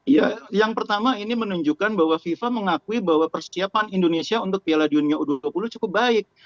ya yang pertama ini menunjukkan bahwa fifa mengakui bahwa persiapan indonesia untuk piala dunia u dua puluh cukup baik